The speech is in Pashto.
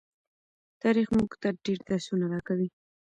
تاریخ مونږ ته ډیر درسونه راکوي.